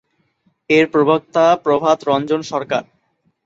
এর প্রবক্তা প্রভাতরঞ্জন সরকার।